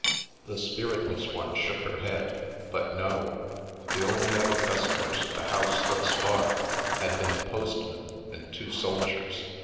The spiritless one shook her head. But no. The only other customers of the house thus far had been the postman and two soldiers.